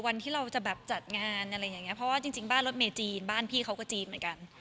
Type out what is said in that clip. วันที่เราจะแบบจัดงานอะไรอย่างเงี้เพราะว่าจริงบ้านรถเมจีนบ้านพี่เขาก็จีนเหมือนกัน